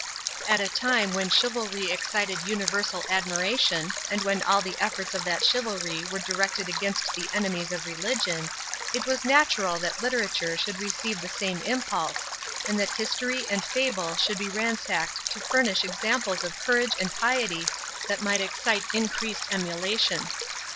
At a time when chivalry excited universal admiration, and when all the efforts of that chivalry were directed against the enemies of religion, it was natural that literature should receive the same impulse, and that history and fable should be ransacked to furnish examples of courage and piety that might excite increased emulation.